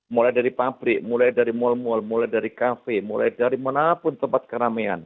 mulai dari pabrik mulai dari mal mal mulai dari kafe mulai dari mana pun tempat keramaian